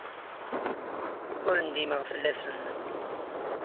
Ur ndimeɣ fell-asen.